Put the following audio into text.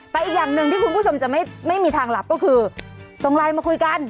แต่อีกอย่างหนึ่งที่คุณผู้ชมจะไม่มีทางหลับก็คือส่งไลน์มาคุยกัน